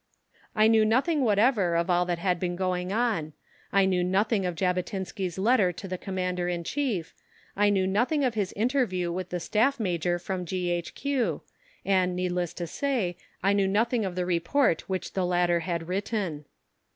I knew nothing whatever of all that had been going on; I knew nothing of Jabotinsky's letter to the Commander in Chief; I knew nothing of his interview with the Staff Major from G.H.Q., and, needless to say, I knew nothing of the report which the latter had written.